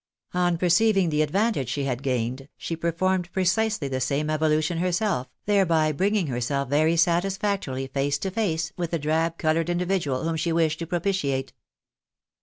On per ceiving the advantage she had gamed, she performed precisely the same evolution herself, thereby bringing herself very satisfactorily face to face with the drab coloured individual whom she wished to propitiate.